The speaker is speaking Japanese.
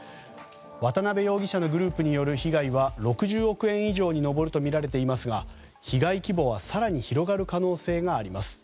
渡邉容疑者のグループによる被害は６０億円以上に上るとみられていますが、被害規模は更に広がる可能性があります。